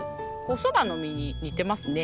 そばの実に似てますね。